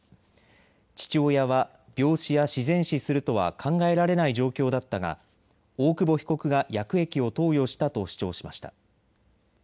父親は病死や自然死するとは考えられない状況だったが大久保被告が薬液を投与したと主張しました。